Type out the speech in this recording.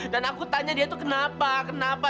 dan aku tanya dia itu kenapa kenapa